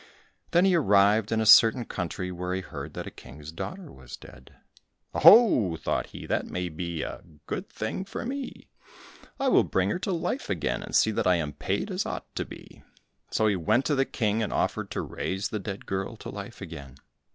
Then he arrived in a certain country where he heard that a King's daughter was dead. "Oh, ho!" thought he, "that may be a good thing for me; I will bring her to life again, and see that I am paid as I ought to be." So he went to the King, and offered to raise the dead girl to life again.